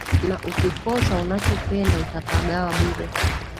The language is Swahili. Na ukikosa unachopenda, utapagawa bure